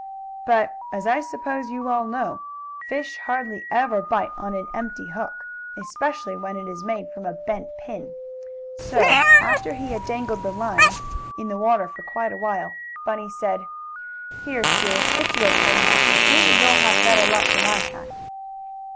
But, as I suppose you all know, fish hardly ever bite on an empty hook, especially when it is made from a bent pin; so, after he had dangled the line in the water for quite a while, Bunny said: "Here, Sue. It's your turn now. Maybe you'll have better luck than I had."